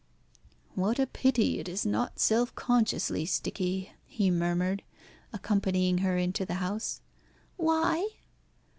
"What a pity it is not self consciously sticky," he murmured, accompanying her into the house. "Why?"